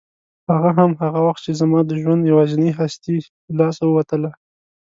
هغه هم هغه وخت چې زما د ژوند یوازینۍ هستي له لاسه ووتله.